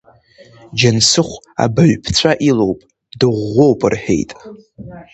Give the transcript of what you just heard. Џьансыхә абаҩԥҵәа илоуп, дыӷәӷәоуп рҳәеит.